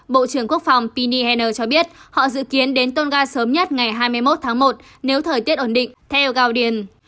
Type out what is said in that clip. bộ trưởng quốc phòng pini henner cho biết họ dự kiến đến tonga sớm nhất ngày hai mươi một tháng một nếu thời tiết ổn định theo guardian